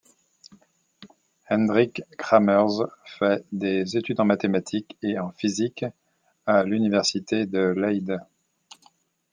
Hendrik Kramers fait des études en mathématiques et en physique à l'Université de Leyde.